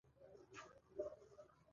لومړي محصلینو ته ځان معرفي کړ.